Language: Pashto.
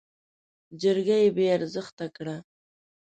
جرګه يې بې ارزښته کړه.